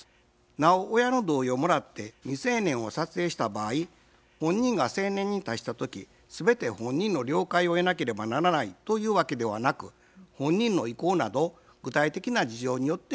なお親の同意をもらって未成年を撮影した場合本人が成年に達した時全て本人の了解を得なければならないというわけではなく本人の意向など具体的な事情によって決まります。